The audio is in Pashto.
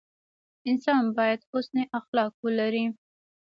انسان باید حسن اخلاق ولري.